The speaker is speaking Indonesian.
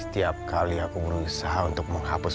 setiap kali aku berusaha untuk menghapus